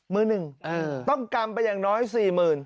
เป็นอมพื้น